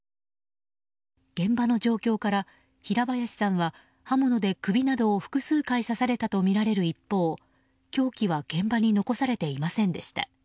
現場の状況から、平林さんは刃物で首などを複数回刺されたとみられる一方凶器は現場に残されていませんでした。